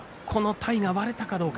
体が割れたかどうか。